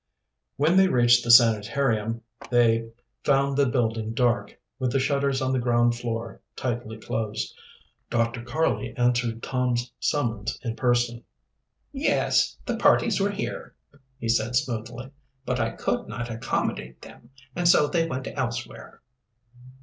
When they reached the sanitarium they found the building dark, with the shutters on the ground floor tightly closed. Dr. Karley answered Tom's summons in person. "Yes, the parties were here," he said smoothly. "But I could not accommodate them, and so they went elsewhere."